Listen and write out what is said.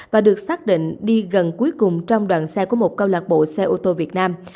và được xác định đi gần cuối cùng trong đoàn xe của một câu lạc bộ xe ô tô việt nam